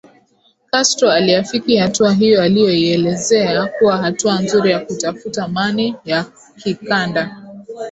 Castro aliafiki hatua hiyo aliyoielezea kuwa hatua nzuri ya kutafuta mani ya kikanda